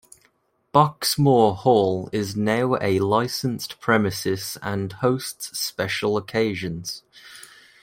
Boxmoor Hall is now a licensed premises and hosts special occasions.